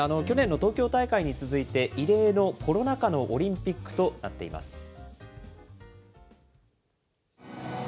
去年の東京大会に続いて、異例のコロナ禍のオリンピックとなっています。